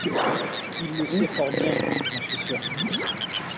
il le sait fort bien, j'en suis sur.